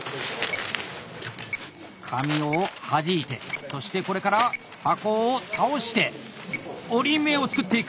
紙を弾いてそしてこれから箱を倒して折り目を作っていく！